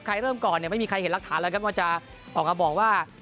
ใครเริ่มก่อนไม่มีใครเห็นรักฐานเลยครับว่าจะออกมาบอกว่า